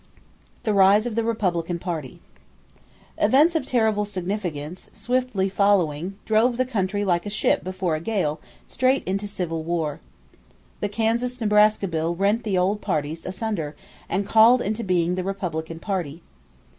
=The Rise of the Republican Party.= Events of terrible significance, swiftly following, drove the country like a ship before a gale straight into civil war. The Kansas Nebraska Bill rent the old parties asunder and called into being the Republican party.